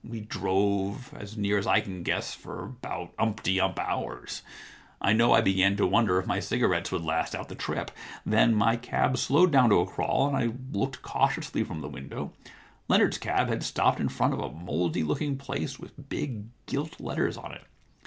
We drove, as near as I can guess, for about umpty ump hours. I know I began to wonder if my cigarettes would last out the trip. Then my cab slowed P.c. 109 H The Problem Club down to a crawl, and I looked cautiously from the window. Leonard's cab had stopped in front of a mouldy looking place with big gilt letters on it.